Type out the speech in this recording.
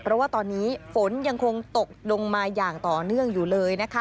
เพราะว่าตอนนี้ฝนยังคงตกลงมาอย่างต่อเนื่องอยู่เลยนะคะ